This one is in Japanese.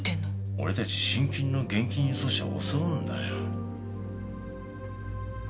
俺たち信金の現金輸送車を襲うんだよ。